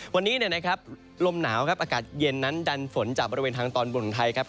วันนี้นะครับลมหนาวครับอากาศเย็นนั้นดันฝนจากบริเวณทางตอนบนไทยครับ